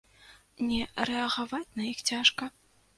Не рэагаваць на іх цяжка.